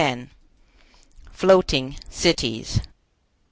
Floating Cities.